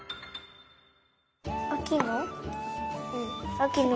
あきの。